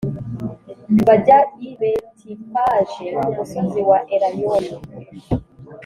bajya i Betifage ku musozi wa Elayono